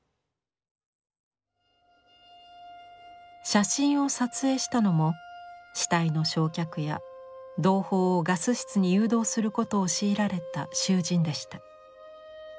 写真を撮影したのも死体の焼却や同胞をガス室に誘導することを強いられた囚人でした。